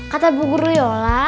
kata bu guruyola